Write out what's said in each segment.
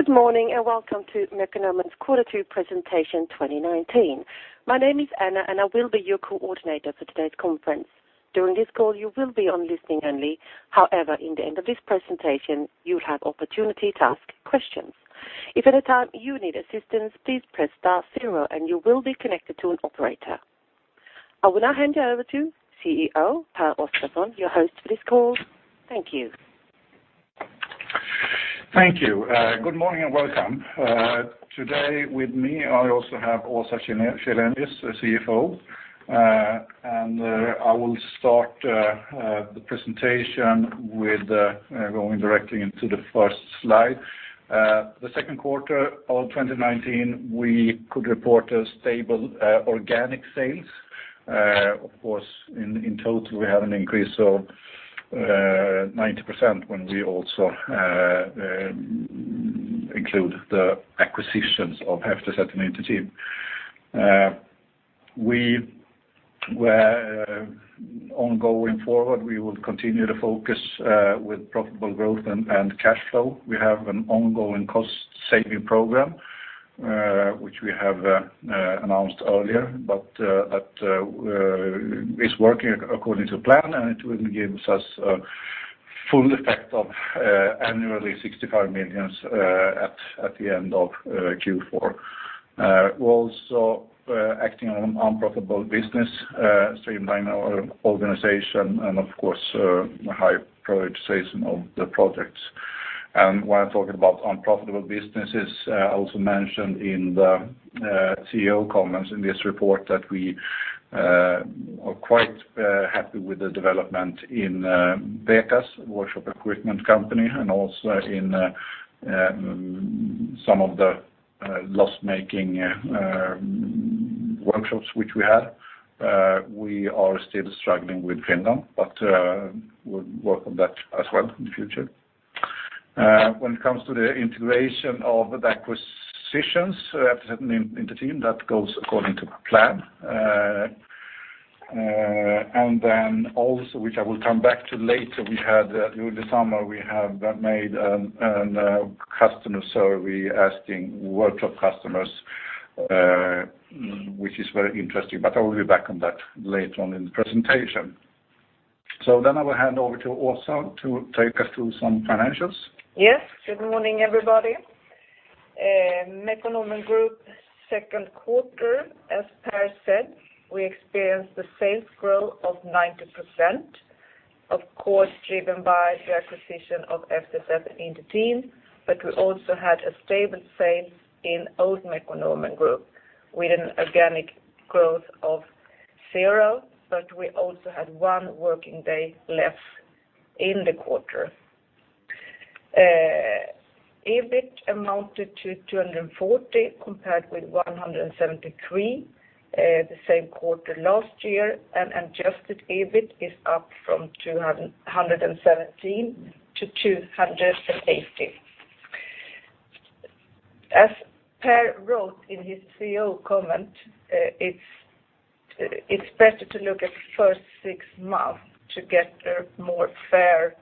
Good morning, and welcome to Mekonomen's Quarter Two Presentation 2019. My name is Anna, and I will be your coordinator for today's conference. During this call, you will be on listening only. However, in the end of this presentation, you'll have opportunity to ask questions. If at any time you need assistance, please press star zero and you will be connected to an operator. I will now hand you over to CEO, Pehr Oscarson, your host for this call. Thank you. Thank you. Good morning, and welcome. Today with me, I also have Åsa Källenius, the CFO. I will start the presentation with going directly into the first slide. The second quarter of 2019, we could report a stable organic sales. Of course, in total, we have an increase of 90% when we also include the acquisitions of FTZ and Inter-Team. Going forward, we will continue to focus with profitable growth and cash flow. We have an ongoing cost-saving program, which we have announced earlier, but that is working according to plan, and it will give us a full effect of annually 65 million at the end of Q4. We are also acting on unprofitable business, streamlining our organization, and of course, high prioritization of the projects. When I'm talking about unprofitable businesses, I also mentioned in the CEO comments in this report that we are quite happy with the development in Preqas, workshop equipment company, and also in some of the loss-making workshops which we had. We are still struggling with Finland, but we'll work on that as well in the future. When it comes to the integration of the acquisitions, FTZ and Inter-Team, that goes according to plan. Also, which I will come back to later, during the summer, we have made a customer survey asking workshop customers, which is very interesting, but I will be back on that later on in the presentation. I will hand over to Åsa to take us through some financials. Yes. Good morning, everybody. Mekonomen Group second quarter, as Pehr said, we experienced a sales growth of 90%, of course, driven by the acquisition of Inter-Team, but we also had stable sales in old Mekonomen Group with an organic growth of zero, but we also had one working day less in the quarter. EBIT amounted to 240 compared with 173 the same quarter last year, and adjusted EBIT is up from 117 to 280. As Pehr wrote in his CEO comment, it is better to look at the first six months to get a more fair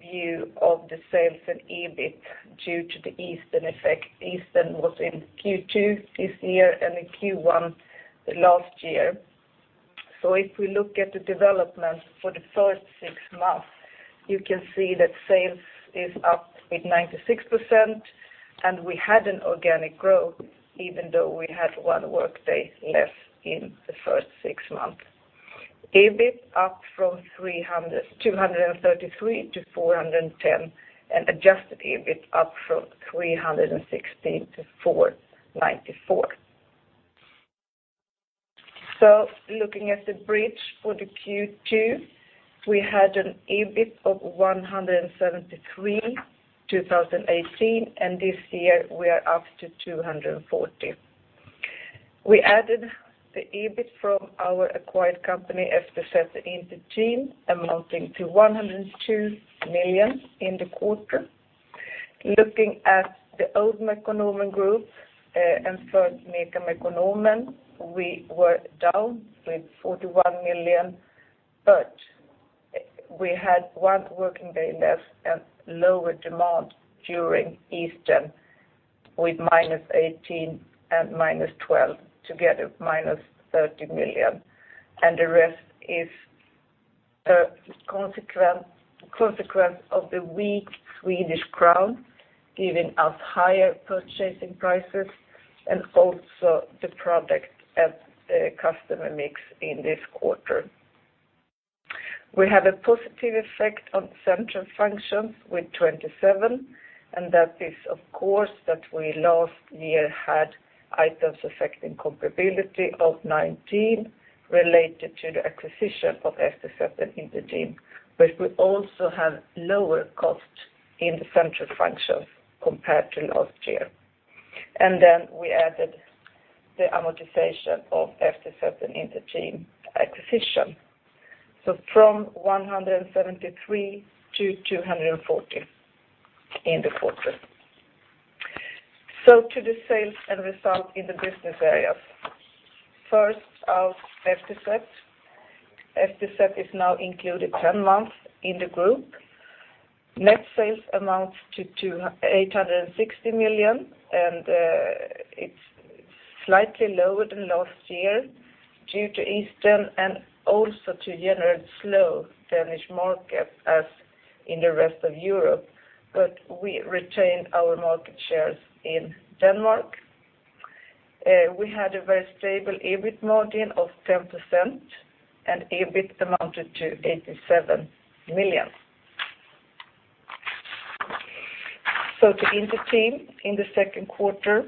view of the sales and EBIT due to the Easter effect. Easter was in Q2 this year and in Q1 last year. If we look at the development for the first six months, you can see that sales is up with 96%, and we had an organic growth even though we had one workday less in the first six months. EBIT up from 233 to 410, and adjusted EBIT up from 316 to 494. Looking at the bridge for the Q2, we had an EBIT of 173 in 2018, and this year we are up to 240. We added the EBIT from our acquired company, Inter-Team, amounting to 102 million in the quarter. Looking at the old Mekonomen Group, for MECA/Mekonomen, we were down with 41 million, but we had one working day less and lower demand during Easter with -18 and -12, together -30 million, the rest is a consequence of the weak Swedish crown giving us higher purchasing prices and also the product and the customer mix in this quarter. We have a positive effect on central functions with 27, that is, of course, that we last year had items affecting comparability of 19 related to the acquisition of FTZ and Inter-Team, we also have lower cost in the central functions compared to last year. We added the amortization of FTZ and Inter-Team acquisition. From 173 to 240 in the quarter. To the sales and result in the business areas. First, our FTZ. FTZ is now included 10 months in the group. Net sales amounts to 860 million. It's slightly lower than last year due to Easter and also to general slow Danish market as in the rest of Europe. We retained our market shares in Denmark. We had a very stable EBIT margin of 10%. EBIT amounted to SEK 87 million. To Inter-Team in the second quarter,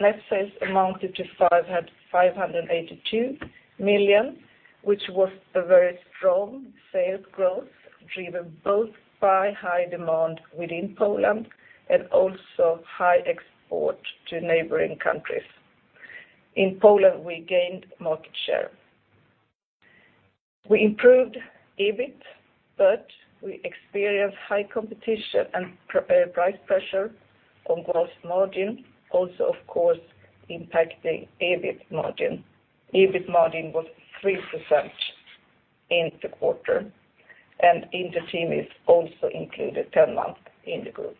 net sales amounted to 582 million, which was a very strong sales growth, driven both by high demand within Poland and also high export to neighboring countries. In Poland, we gained market share. We improved EBIT. We experienced high competition and price pressure on gross margin, also, of course, impacting EBIT margin. EBIT margin was 3% in the quarter. Inter-Team is also included 10 months in the group.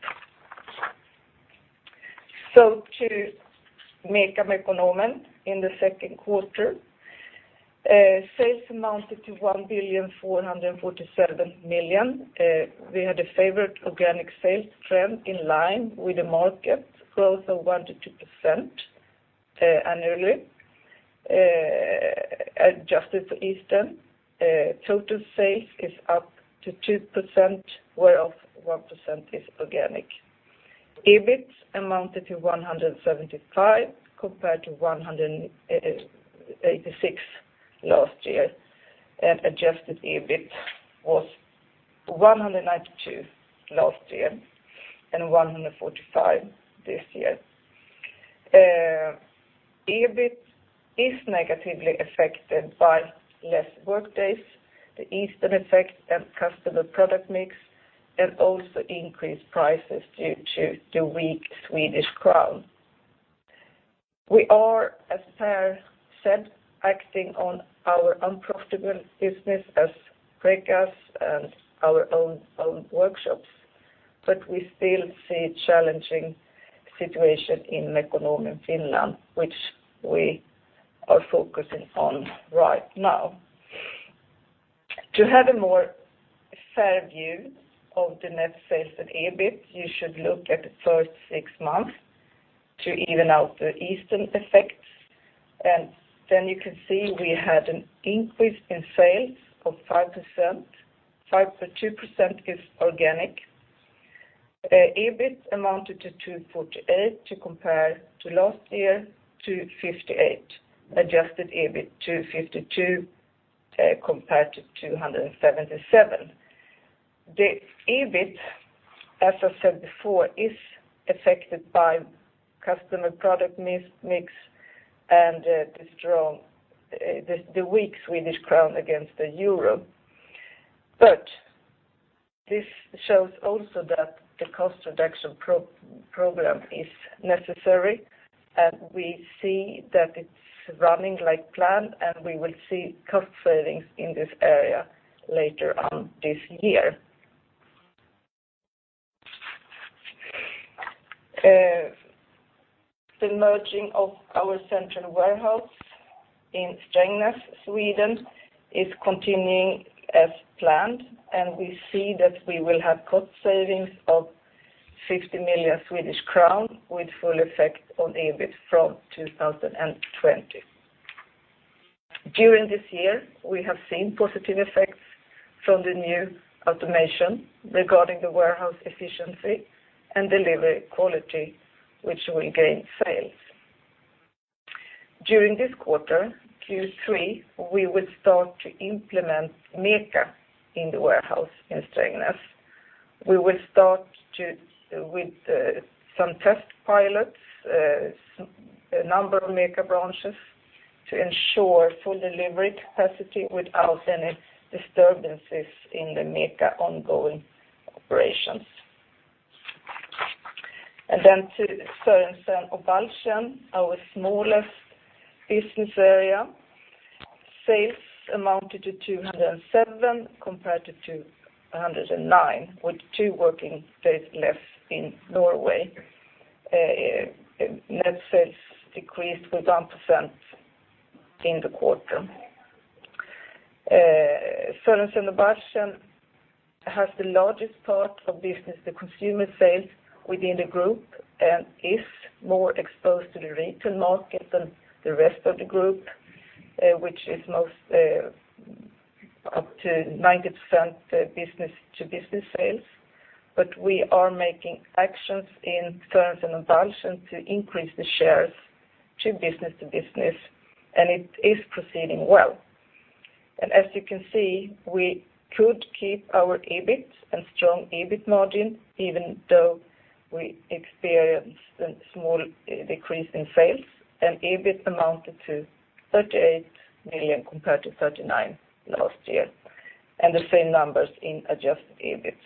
To MECA/Mekonomen in the second quarter, sales amounted to 1,447 million. We had a favorable organic sales trend in line with the market growth of 1%-2% annually. Adjusted to Easter, total sales is up to 2%, whereof 1% is organic. EBIT amounted to 175 compared to 186 last year, and adjusted EBIT was 192 last year and 145 this year. EBIT is negatively affected by less workdays, the Easter effect, and customer product mix, and also increased prices due to the weak Swedish crown. We are, as Pehr said, acting on our unprofitable business as Preqas and our own workshops, but we still see challenging situation in Mekonomen Finland, which we are focusing on right now. To have a more fair view of the net sales and EBIT, you should look at the first six months to even out the Easter effects, and then you can see we had an increase in sales of 5%. 2% is organic. EBIT amounted to 248 to compare to last year to 58. Adjusted EBIT to 52 compared to 277. The EBIT, as I said before, is affected by customer product mix and the weak Swedish crown against the Euro. This shows also that the cost reduction program is necessary, and we see that it's running like planned, and we will see cost savings in this area later on this year. The merging of our central warehouse in Strängnäs, Sweden, is continuing as planned, and we see that we will have cost savings of 50 million Swedish crown with full effect on EBIT from 2020. During this year, we have seen positive effects from the new automation regarding the warehouse efficiency and delivery quality, which will gain sales. During this quarter, Q3, we will start to implement MECA in the warehouse in Strängnäs. We will start with some test pilots, a number of MECA branches to ensure full delivery capacity without any disturbances in the MECA ongoing operations. To Sørensen og Balchen, our smallest business area. Sales amounted to 207 compared to 109, with two working days less in Norway. Net sales decreased with 1% in the quarter. Sørensen og Balchen has the largest part of business, the consumer sales within the group, and is more exposed to the retail market than the rest of the group, which is most up to 90% business to business sales. We are making actions in Sørensen og Balchen to increase the shares to business to business, and it is proceeding well. As you can see, we could keep our EBIT and strong EBIT margin even though we experienced a small decrease in sales, and EBIT amounted to 38 million compared to 39 last year. The same numbers in adjusted EBIT.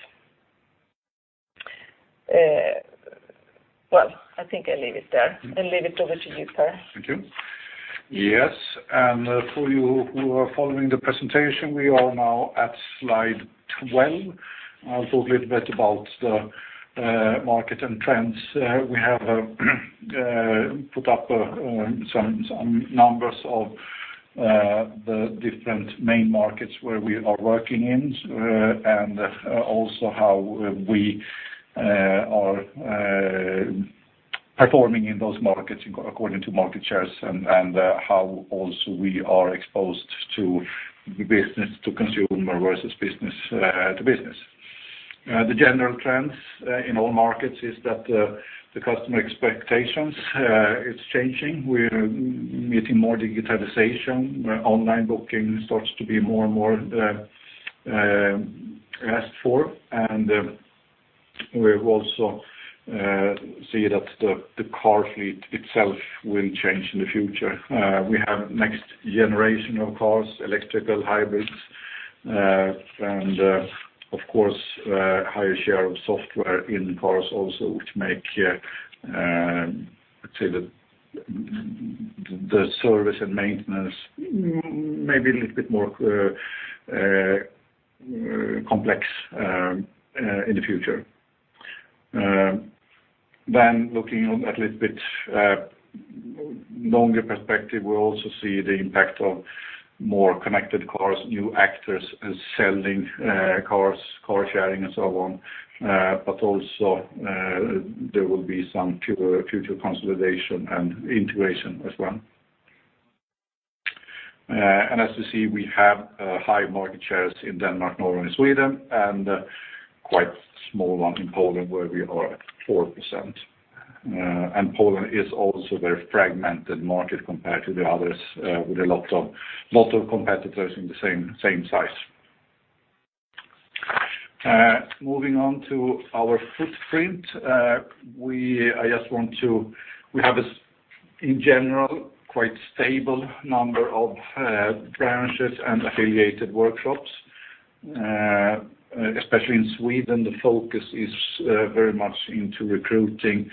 Well, I think I leave it there and leave it over to you, Pehr. Thank you. Yes, for you who are following the presentation, we are now at slide 12. I'll talk a little bit about the market and trends. We have put up some numbers of the different main markets where we are working in, also how we are performing in those markets according to market shares and how also we are exposed to business to consumer versus business to business. The general trends in all markets is that the customer expectations is changing. We're meeting more digitalization. Online booking starts to be more and more asked for, we also see that the car fleet itself will change in the future. We have next generation of cars, electrical hybrids, and of course, higher share of software in cars also, which make the service and maintenance maybe a little bit more complex in the future. Looking at a little bit longer perspective, we also see the impact of more connected cars, new actors selling cars, car sharing and so on. Also there will be some future consolidation and integration as well. As you see, we have high market shares in Denmark, Norway, and Sweden, and quite small one in Poland where we are at 4%. Poland is also very fragmented market compared to the others, with a lot of competitors in the same size. Moving on to our footprint. We have in general, quite stable number of branches and affiliated workshops. Especially in Sweden, the focus is very much into recruiting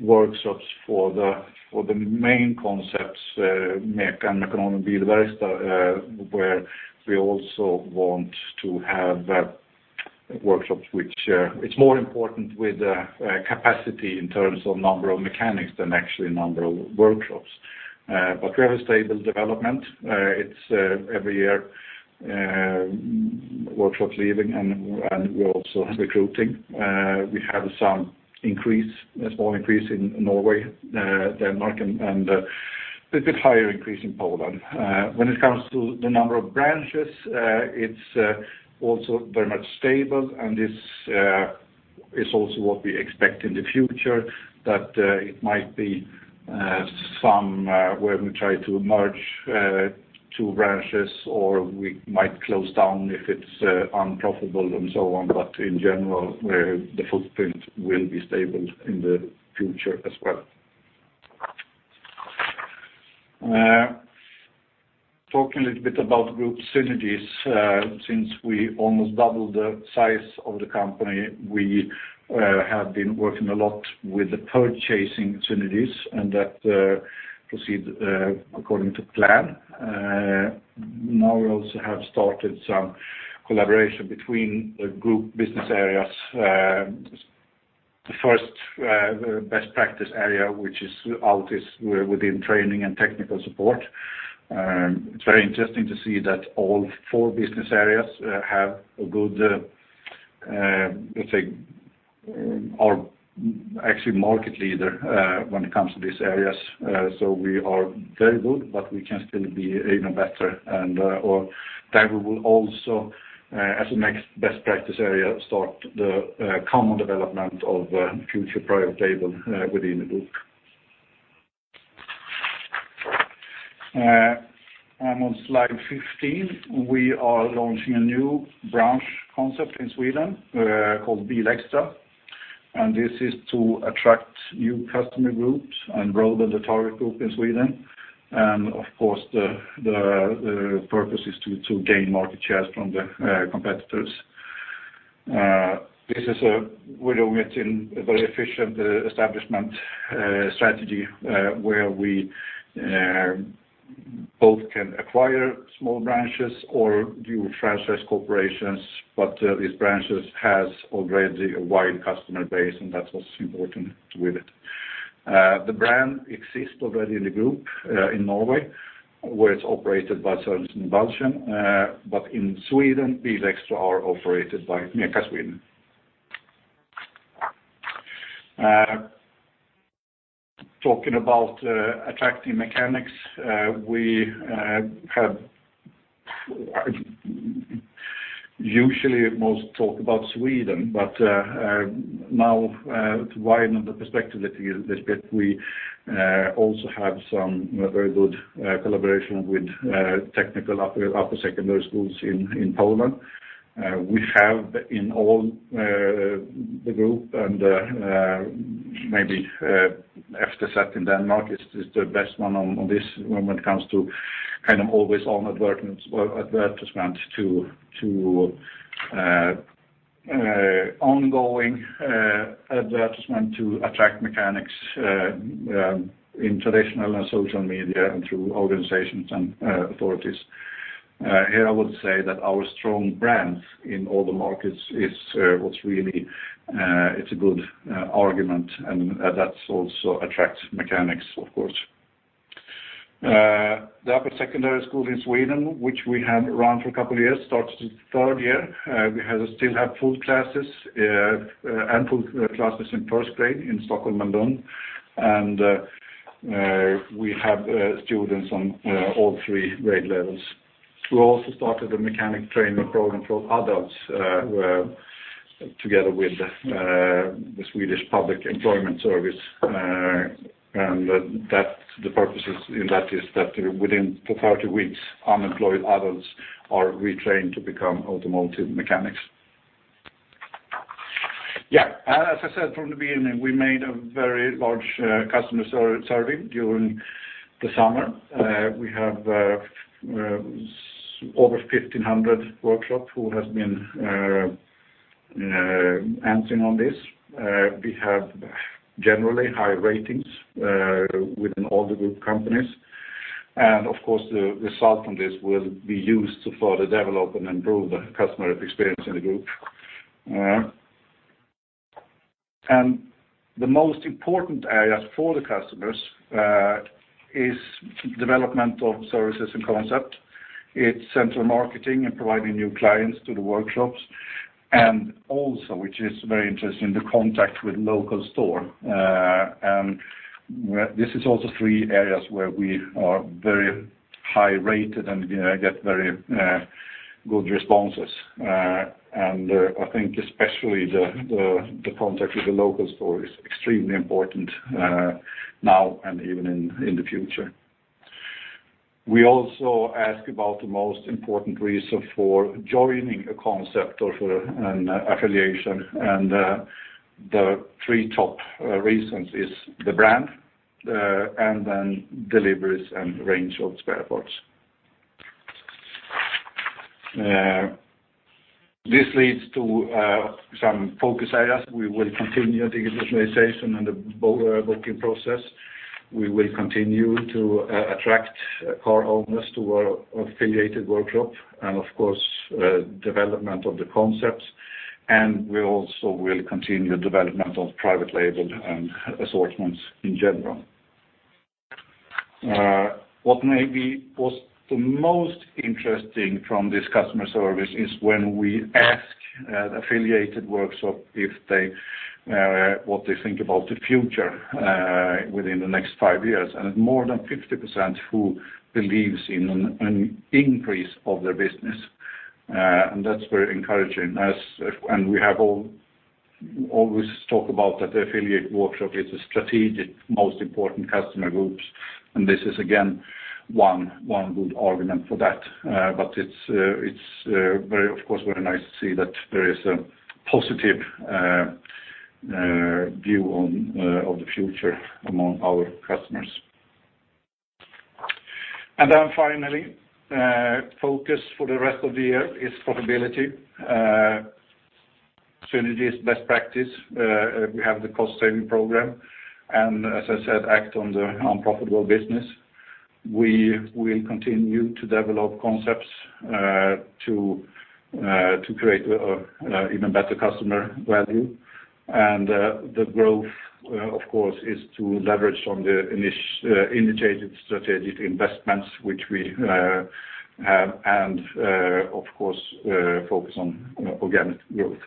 workshops for the main concepts, Mekanikern and Bilverkstan, where we also want to have workshops, which it's more important with capacity in terms of number of mechanics than actually number of workshops. We have a stable development. It's every year, workshops leaving and we're also recruiting. We have a small increase in Norway, Denmark, and a bit higher increase in Poland. When it comes to the number of branches, it's also very much stable and this is also what we expect in the future, that it might be where we try to merge two branches or we might close down if it's unprofitable and so on. In general, the footprint will be stable in the future as well. Talking a little bit about group synergies. Since we almost doubled the size of the company, we have been working a lot with the purchasing synergies and that proceed according to plan. Now we also have started some collaboration between the group business areas. The first best practice area, which is ALTIS, within training and technical support. It is very interesting to see that all four business areas are actually market leader when it comes to these areas. We are very good, but we can still be even better and/or that we will also as a next best practice area, start the common development of future product portfolio within the Group. I am on slide 15. We are launching a new branch concept in Sweden, called BilXtra, and this is to attract new customer groups and broaden the target group in Sweden. The purpose is to gain market shares from the competitors. We are doing it in a very efficient establishment strategy, where we both can acquire small branches or do franchise corporations, but these branches has already a wide customer base, and that is what is important with it. The brand exists already in the Group in Norway, where it is operated by Sørensen og Balchen. In Sweden, BilXtra are operated by MECA Sweden. Talking about attracting mechanics, we have usually most talk about Sweden, but now to widen the perspective a little bit, we also have some very good collaboration with technical upper secondary schools in Poland. We have in all the group and maybe after that in Denmark is the best one on this when it comes to always-on advertisement to ongoing advertisement to attract mechanics in traditional and social media and through organizations and authorities. Here I would say that our strong brand in all the markets it's a good argument and that also attracts mechanics, of course. The upper secondary school in Sweden, which we have run for a couple of years, started the third year. We still have ample classes in first grade in Stockholm and Lund, and we have students on all 3 grade levels. We also started a mechanic training program for adults together with the Swedish Public Employment Service. The purpose in that is that within 30 weeks, unemployed adults are retrained to become automotive mechanics. As I said from the beginning, we made a very large customer survey during the summer. We have over 1,500 workshops who have been answering on this. We have generally high ratings within all the group companies. Of course, the result from this will be used to further develop and improve the customer experience in the group. The most important areas for the customers is development of services and concept. It's central marketing and providing new clients to the workshops. Also, which is very interesting, the contact with local store. This is also three areas where we are very high rated and get very good responses. I think especially the contact with the local store is extremely important now and even in the future. We also ask about the most important reason for joining a concept or for an affiliation. The three top reasons is the brand and then deliveries and range of spare parts. This leads to some focus areas. We will continue the digitalization and the booking process. We will continue to attract car owners to our affiliated workshop and of course, development of the concepts. We also will continue development of private label and assortments in general. What maybe was the most interesting from this customer service is when we ask an affiliated workshop what they think about the future within the next five years. More than 50% who believes in an increase of their business. That's very encouraging. We have always talk about that the affiliate workshop is a strategic, most important customer groups, and this is again, one good argument for that. It's of course, very nice to see that there is a positive view of the future among our customers. Finally, focus for the rest of the year is profitability. Synergies, best practice, we have the cost-saving program, and as I said, act on the unprofitable business. We will continue to develop concepts to create even better customer value. The growth, of course, is to leverage on the indicated strategic investments which we have and of course, focus on organic growth.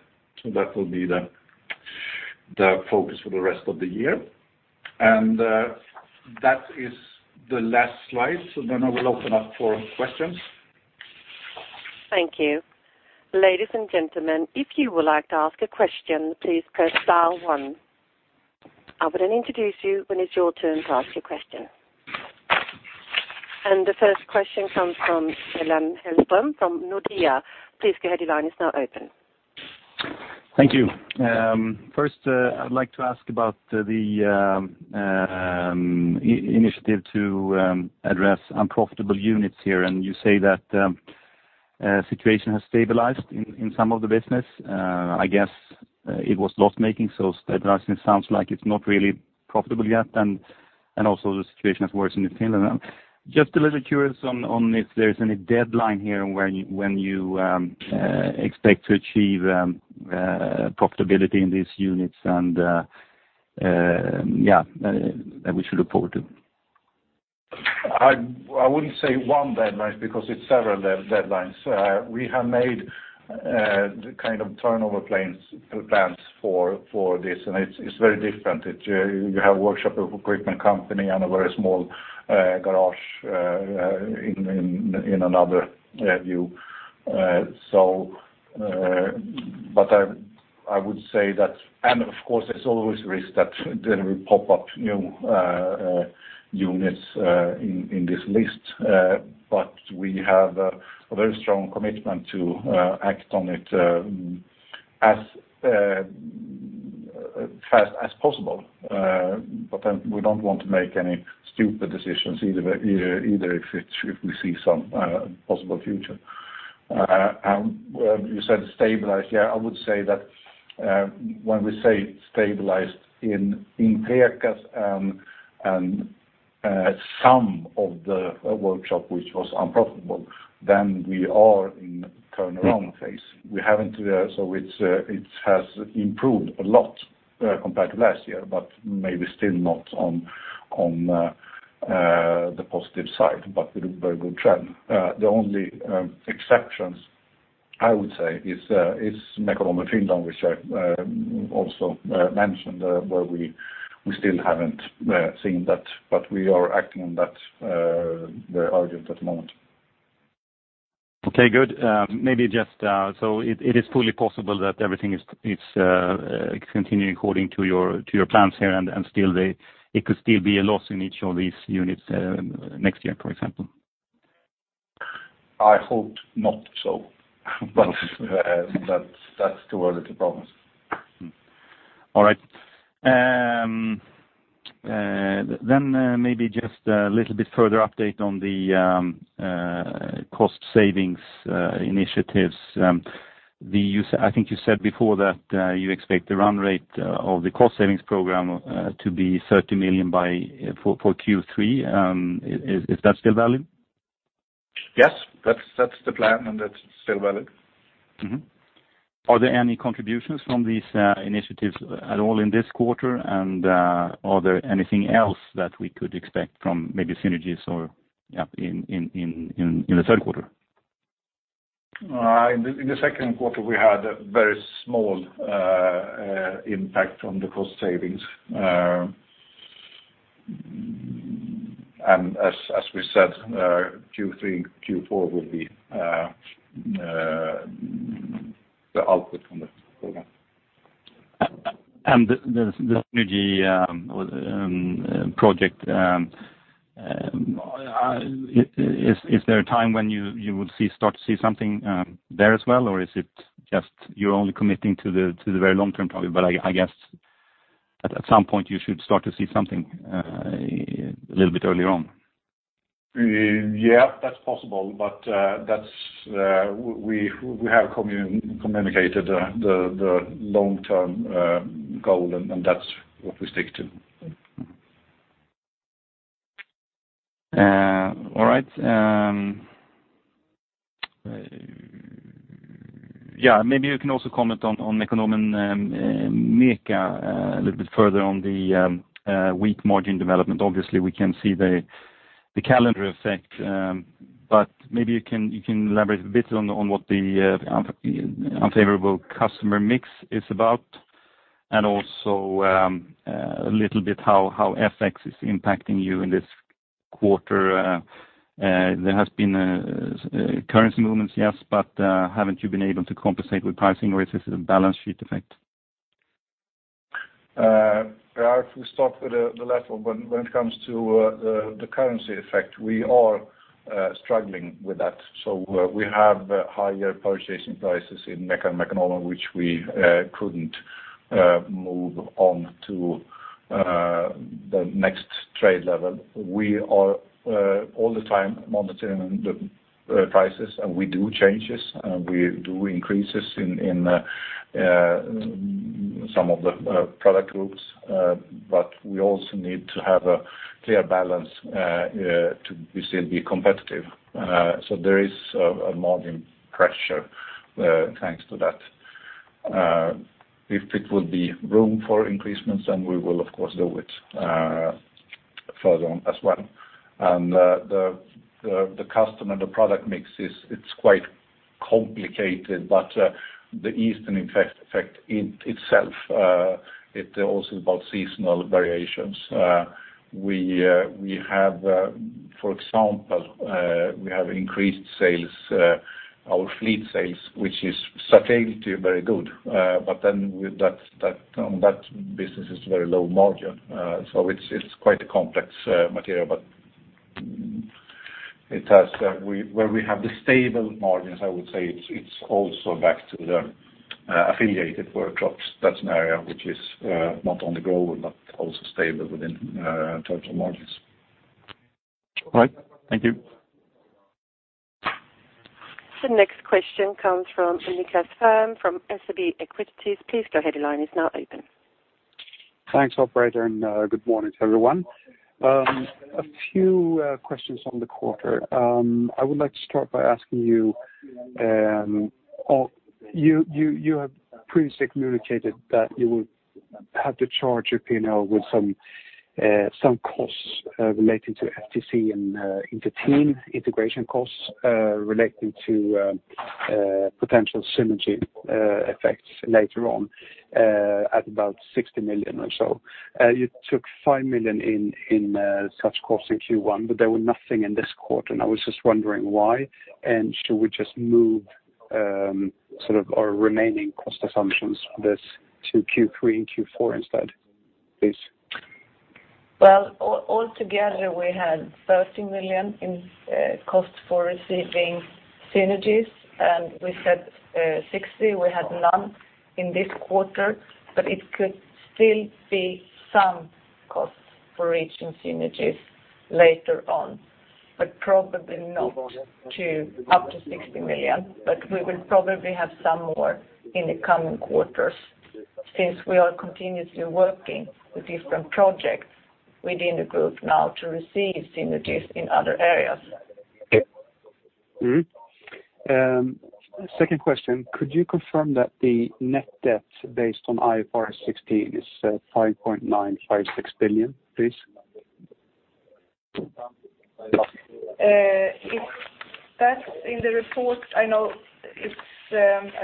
That will be the focus for the rest of the year. That is the last slide. I will open up for questions. Thank you. Ladies and gentlemen, if you would like to ask a question, please press star one. I will then introduce you when it's your turn to ask a question. The first question comes from Stellan Hellström from Nordea. Please go ahead. Your line is now open. Thank you. First, I'd like to ask about the initiative to address unprofitable units here, and you say that situation has stabilized in some of the business. I guess it was loss-making, so stabilizing sounds like it's not really profitable yet, and also the situation has worsened in Finland. Just a little curious on if there's any deadline here when you expect to achieve profitability in these units and that we should look forward to. I wouldn't say one deadline because it's several deadlines. We have made the kind of turnover plans for this, and it's very different. You have a workshop equipment company and a very small garage in another view. I would say that, and of course, there's always a risk that there will pop up new units in this list. We have a very strong commitment to act on it as fast as possible. We don't want to make any stupid decisions either, if we see some possible future. You said stabilized. I would say that, when we say stabilized in Preqas and some of the workshop which was unprofitable, then we are in turnaround phase. It has improved a lot compared to last year, but maybe still not on the positive side, but with a very good trend. The only exceptions, I would say, is Mekonomen Finland, which I also mentioned, where we still haven't seen that, but we are acting on that very urgent at the moment. Okay, good. It is fully possible that everything is continuing according to your plans here, and it could still be a loss in each of these units next year, for example? I hope not so, but that's too early to promise. All right. Maybe just a little bit further update on the cost savings initiatives. I think you said before that you expect the run rate of the cost savings program to be 30 million for Q3. Is that still valid? Yes. That's the plan, and that's still valid. Are there any contributions from these initiatives at all in this quarter? Are there anything else that we could expect from maybe synergies or, yeah, in the third quarter? In the second quarter, we had a very small impact on the cost savings. As we said Q3, Q4 will be the output from the program. The synergy project, is there a time when you would start to see something there as well, or is it just you're only committing to the very long term probably, but I guess at some point you should start to see something a little bit early on? Yeah, that's possible, but we have communicated the long-term goal, and that's what we stick to. All right. Yeah, maybe you can also comment on Mekonomen MECA a little bit further on the weak margin development. Obviously, we can see the calendar effect. Maybe you can elaborate a bit on what the unfavorable customer mix is about and also a little bit how FX is impacting you in this quarter. There has been currency movements, yes, Haven't you been able to compensate with pricing, or is this a balance sheet effect? If we start with the latter one, when it comes to the currency effect, we are struggling with that. We have higher purchasing prices in MECA and Mekonomen, which we couldn't move on to the next trade level. We are all the time monitoring the prices, and we do changes, and we do increases in some of the product groups. We also need to have a clear balance to still be competitive. There is a margin pressure thanks to that. If it would be room for increasements, then we will, of course, do it further on as well. The customer, the product mix, it's quite complicated, the Easter effect itself, it also is about seasonal variations. For example, we have increased our fleet sales, which is sustainably very good. That business is very low margin. It's quite a complex material, but where we have the stable margins, I would say it's also back to the affiliated workshops. That's an area which is not on the grow, but also stable within total margins. All right. Thank you. The next question comes from Nicklas Fhärm from SEB Equities. Please go ahead, your line is now open. Thanks, operator. Good morning to everyone. A few questions on the quarter. I would like to start by asking you have previously communicated that you would have to charge your P&L with some costs relating to FTZ and Inter-Team integration costs relating to potential synergy effects later on at about 60 million or so. You took 5 million in such costs in Q1. There were nothing in this quarter, and I was just wondering why. Should we just move our remaining cost assumptions this to Q3 and Q4 instead, please? Well, all together we had 30 million in cost for receiving synergies, and we said 60 million. We had none in this quarter, but it could still be some costs for reaching synergies later on, but probably not up to 60 million. We will probably have some more in the coming quarters since we are continuously working with different projects within the group now to receive synergies in other areas. Okay. Second question, could you confirm that the net debt based on IFRS 16 is 5.956 billion, please? That's in the report. I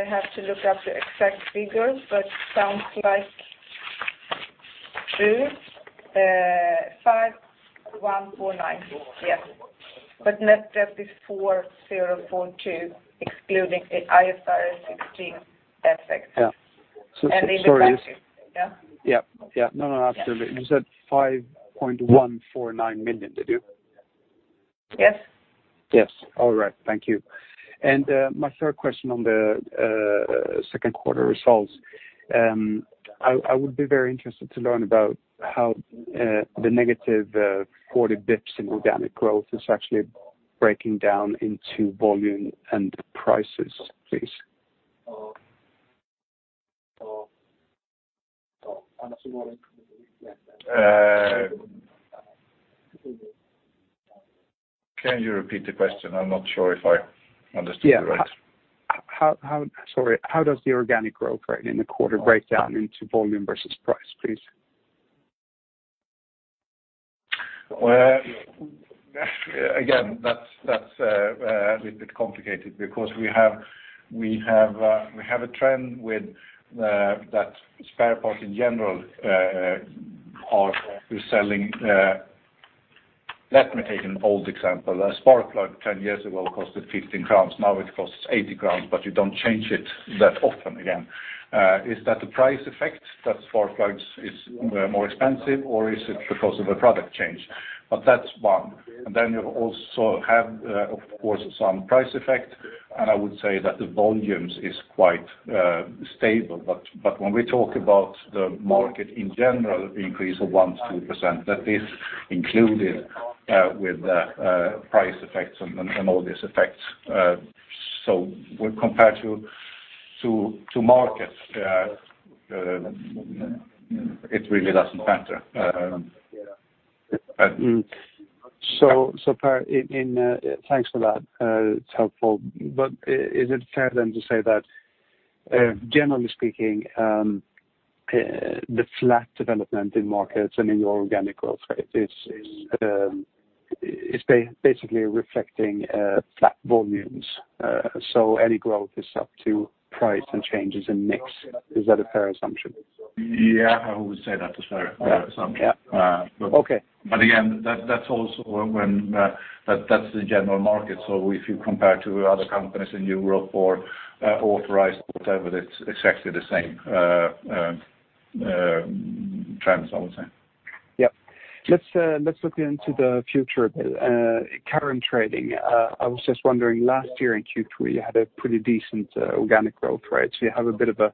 have to look up the exact figure, but it sounds like true. SEK 5,149, yes. Net debt is 4,042, excluding the IFRS 16 effect. Yeah. In the second. Yeah? Yeah. No, absolutely. You said 5.149 million, did you? Yes. Yes. All right. Thank you. My third question on the second quarter results. I would be very interested to learn about how the negative 40 basis points in organic growth is actually breaking down into volume and prices, please. Can you repeat the question? I'm not sure if I understood you right. Yeah. Sorry. How does the organic growth rate in the quarter break down into volume versus price, please? Again, that's a little bit complicated because we have a trend with that spare part in general. Let me take an old example. A spark plug 10 years ago cost 15 crowns, now it costs 80 crowns, you don't change it that often again. Is that a price effect that spark plugs is more expensive, or is it because of a product change? That's one. You also have, of course, some price effect, and I would say that the volumes is quite stable. When we talk about the market in general, the increase of 1%-2%, that is included with the price effects and all these effects. When compared to markets, it really doesn't matter. Thanks for that. It's helpful. Is it fair then to say that, generally speaking, the flat development in markets and in your organic growth rate is basically reflecting flat volumes? Any growth is up to price and changes in mix. Is that a fair assumption? Yeah, I would say that is a fair assumption. Yeah. Okay. Again, that's the general market. If you compare to other companies in Europe or authorized, whatever, it's exactly the same trends, I would say. Yep. Let's look into the future a bit. Current trading, I was just wondering, last year in Q3, you had a pretty decent organic growth rate. You have a bit of a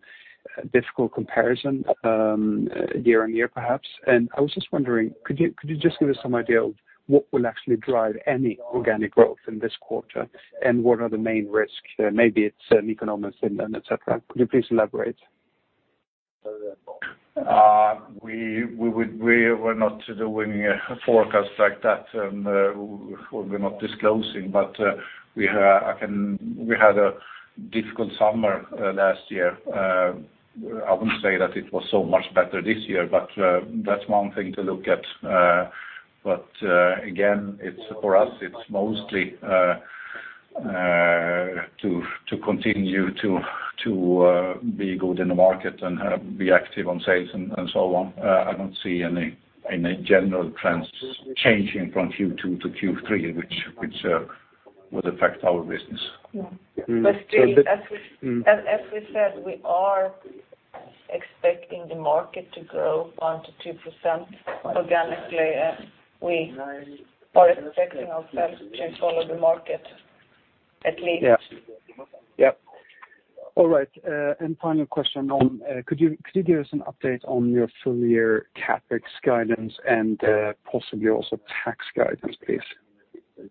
difficult comparison year-over-year, perhaps. I was just wondering, could you just give us some idea of what will actually drive any organic growth in this quarter, and what are the main risks? Maybe it's economics and et cetera. Could you please elaborate? We were not doing a forecast like that, and we're not disclosing, but we had a difficult summer last year. I wouldn't say that it was so much better this year, but that's one thing to look at. Again, for us, it's mostly to continue to be good in the market and be active on sales and so on. I don't see any general trends changing from Q2 to Q3, which would affect our business. Yeah. Still, as we said, we are expecting the market to grow 1% to 2% organically. We are expecting ourselves to follow the market, at least. Could you give us an update on your full year CapEx guidance and possibly also tax guidance, please?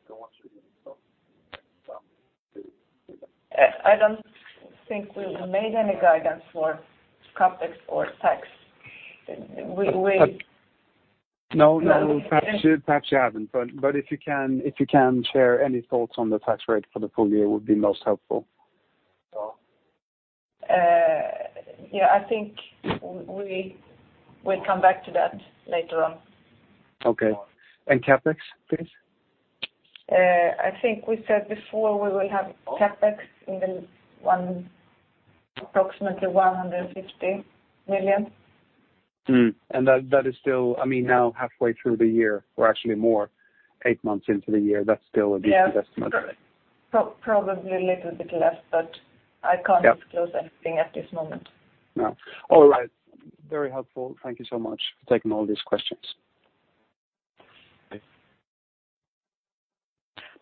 I don't think we've made any guidance for CapEx or tax. Perhaps you haven't, but if you can share any thoughts on the tax rate for the full year would be most helpful. I think we'll come back to that later on. Okay. CapEx, please? I think we said before we will have CapEx approximately 150 million. That is still now halfway through the year, or actually more, eight months into the year. That's still a decent estimate. Probably a little bit less, but I can't disclose anything at this moment. No. All right. Very helpful. Thank you so much for taking all these questions.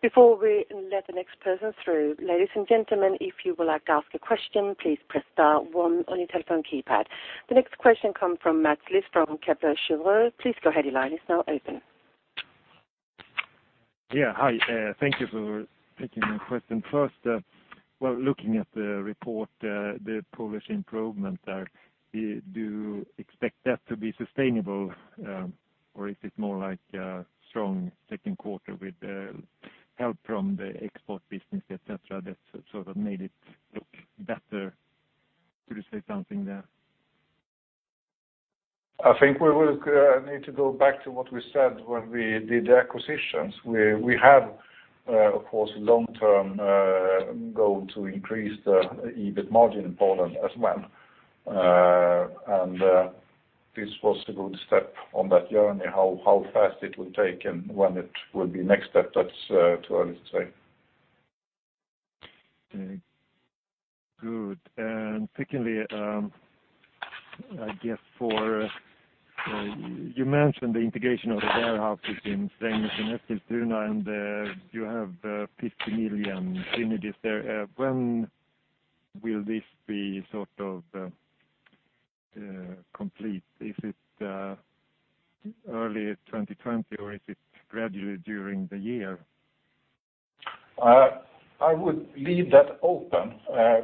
Before we let the next person through, ladies and gentlemen, if you would like to ask a question, please press star one on your telephone keypad. The next question comes from Mats Liss from Kepler Cheuvreux. Please go ahead. Your line is now open. Yeah. Hi, thank you for taking my question. First, while looking at the report, the Polish improvement there, do you expect that to be sustainable? Is it more like a strong second quarter with help from the export business, et cetera, that made it look better? Could you say something there? I think we will need to go back to what we said when we did the acquisitions. We have, of course, long-term goal to increase the EBIT margin in Poland as well. This was a good step on that journey. How fast it will take and when it will be next step, that's too early to say. Okay, good. Secondly, you mentioned the integration of the warehouses in Strängnäs and Eskilstuna, and you have 50 million synergies there. When will this be complete? Is it early 2020, or is it gradually during the year? I would leave that open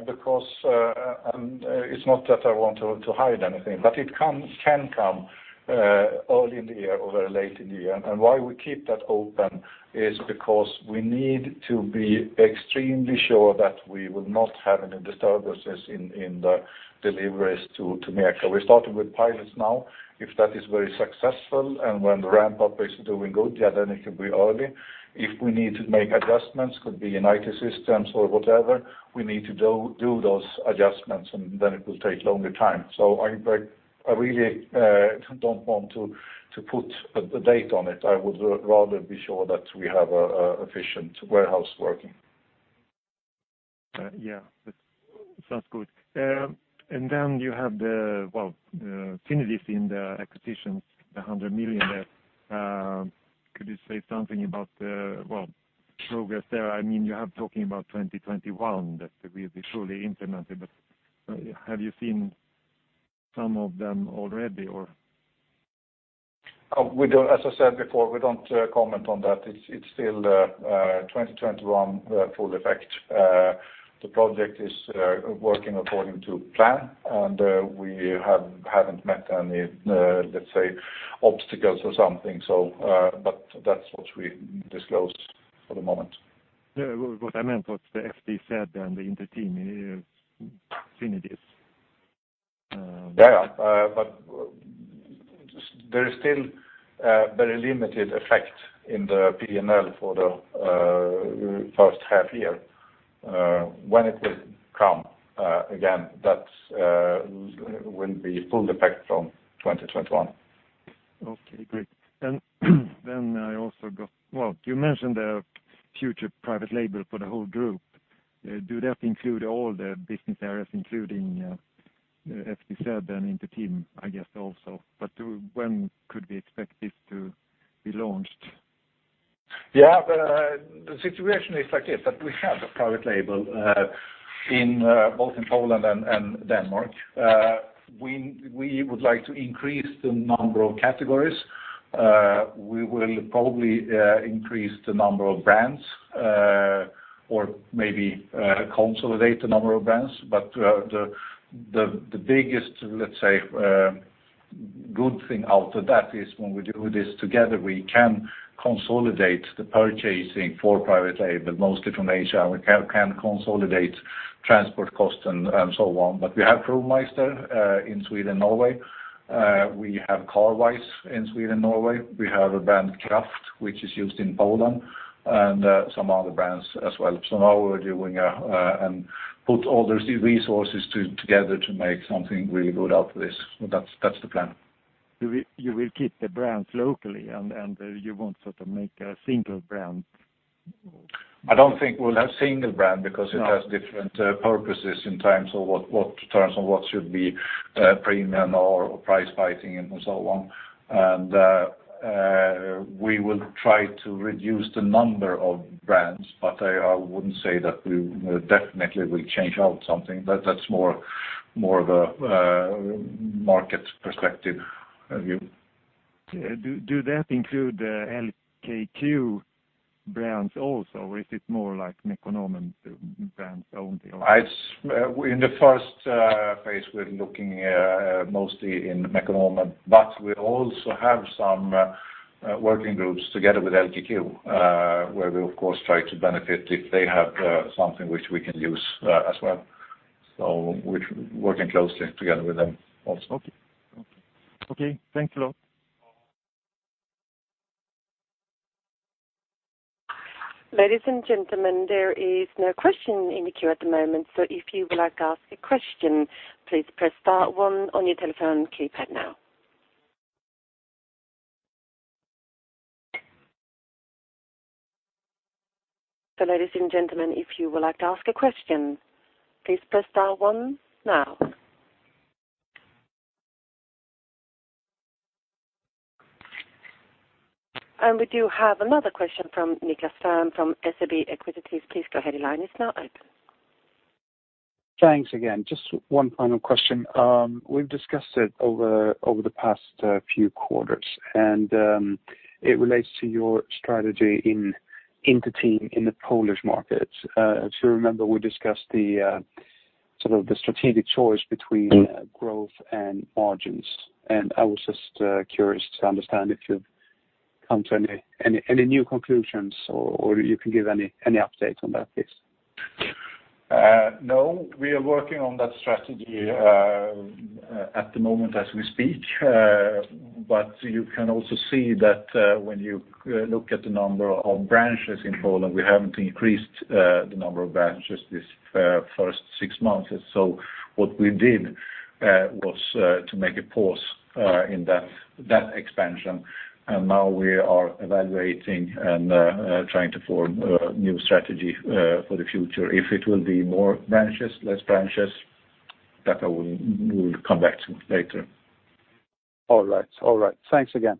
because it's not that I want to hide anything, but it can come early in the year or very late in the year. Why we keep that open is because we need to be extremely sure that we will not have any disturbances in the deliveries to MECA. We started with pilots now. If that is very successful and when the ramp-up is doing good, yeah, then it could be early. If we need to make adjustments, could be in IT systems or whatever, we need to do those adjustments, and then it will take longer time. I really don't want to put a date on it. I would rather be sure that we have an efficient warehouse working. Yeah. That sounds good. Then you have the synergies in the acquisitions, the 100 million there. Could you say something about the progress there? You are talking about 2021 that will be fully implemented, but have you seen some of them already, or? As I said before, we don't comment on that. It's still 2021 full effect. The project is working according to plan, and we haven't met any, let's say, obstacles or something. That's what we disclosed for the moment. What I meant was the FTZ and the Inter-Team synergies. Yeah. There is still a very limited effect in the P&L for the first half year. When it will come, again, that will be full effect from 2021. Okay, great. I also got You mentioned the future private label for the whole group. Do that include all the business areas, including FTZ and Inter-Team, I guess, also, but when could we expect this to be launched? Yeah. The situation is like this, that we have a private label both in Poland and Denmark. We would like to increase the number of categories. We will probably increase the number of brands or maybe consolidate the number of brands. The biggest, let's say, good thing out of that is when we do this together, we can consolidate the purchasing for private label, mostly from Asia. We can consolidate transport costs and so on. We have ProMeister in Sweden and Norway. We have Carwise in Sweden and Norway. We have a brand, Kraft, which is used in Poland, and some other brands as well. Now we're doing and put all the resources together to make something really good out of this. That's the plan. You will keep the brands locally, and you won't make a single brand? I don't think we'll have single brand because it has different purposes in terms of what should be premium or price fighting and so on. We will try to reduce the number of brands, but I wouldn't say that we definitely will change out something. That's more the market perspective view. Do that include the LKQ brands also, or is it more like Mekonomen brands only? In the first phase, we're looking mostly in Mekonomen, but we also have some working groups together with LKQ, where we, of course, try to benefit if they have something which we can use as well. We're working closely together with them also. Okay. Thanks a lot. Ladies and gentlemen, there is no question in the queue at the moment, so if you would like to ask a question, please press star one on your telephone keypad now. Ladies and gentlemen, if you would like to ask a question, please press star one now. We do have another question from Nicklas Fhärm from SEB Equities. Please go ahead. Your line is now open. Thanks again. Just one final question. We've discussed it over the past few quarters, and it relates to your strategy in Inter-Team in the Polish market. As you remember, we discussed the strategic choice between growth and margins. I was just curious to understand if you've come to any new conclusions or you can give any update on that, please. No, we are working on that strategy at the moment as we speak. You can also see that when you look at the number of branches in Poland, we haven't increased the number of branches this first six months. What we did was to make a pause in that expansion. Now we are evaluating and trying to form a new strategy for the future. If it will be more branches, less branches, that we'll come back to later. All right. Thanks again.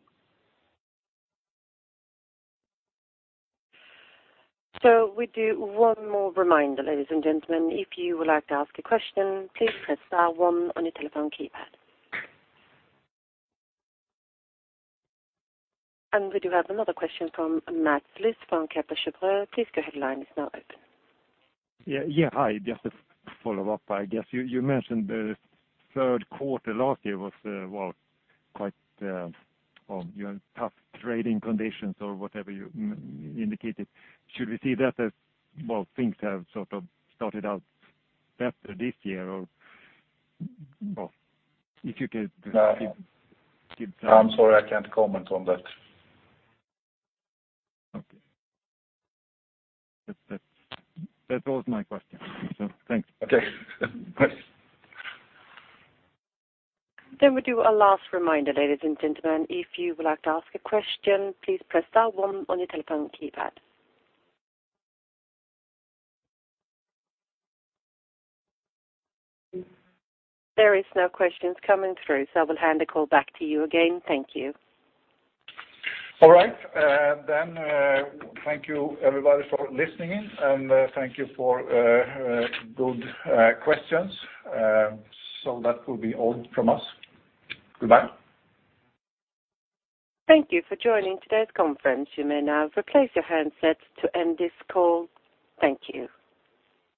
We do one more reminder, ladies and gentlemen. If you would like to ask a question, please press star one on your telephone keypad. We do have another question from Mats Liss from Kepler Cheuvreux. Please go ahead. Line is now open. Hi, just to follow up, I guess. You mentioned the third quarter last year was quite, you had tough trading conditions or whatever you indicated. Should we see that as things have sort of started out better this year? I'm sorry, I can't comment on that. Okay. That was my question. Thanks. Okay. We do our last reminder, ladies and gentlemen. If you would like to ask a question, please press star one on your telephone keypad. There is no questions coming through, I will hand the call back to you again. Thank you. All right. Thank you everybody for listening in, and thank you for good questions. That will be all from us. Goodbye. Thank you for joining today's conference. You may now replace your handsets to end this call. Thank you.